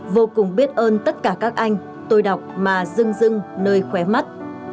vô cùng biết ơn tất cả các anh tôi đọc mà rưng rưng nơi khóe mắt